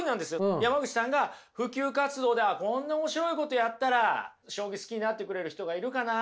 山口さんが普及活動でああこんな面白いことやったら将棋好きになってくれる人がいるかなとかね。